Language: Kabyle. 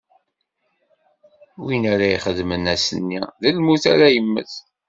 Win ara ixedmen ass-nni, d lmut ara yemmet.